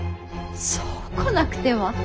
そう来なくては。